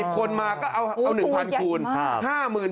คนมาก็เอา๑๐๐คูณ